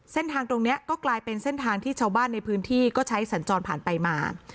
เส้นทางตรงนี้ก็กลายเป็นเส้นทางที่ชาวบ้านในพื้นที่ก็ใช้สัญจรผ่านไปมา